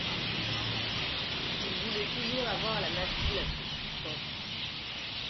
Il voulait toujours avoir la machine la plus puissante.